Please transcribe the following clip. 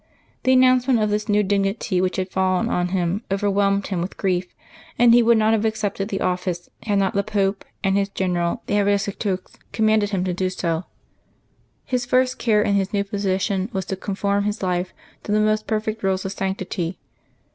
The announcement of this new dignity which had fallen on him overwhelmed him with grief, and he would not have accepted the office had not the Pope and his General, the Abbot of Citeaux, com manded him to do so. His first care in his new position was to conform his life to the most perfect rules of sanctity.